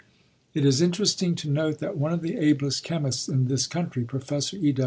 It is interesting to note that one of the ablest chemists in this country, Prof. E.